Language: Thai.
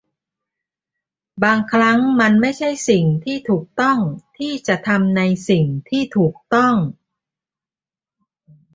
บางครั้งมันไม่ใช่สิ่งที่ถูกต้องที่จะทำในสิ่งที่ถูกต้อง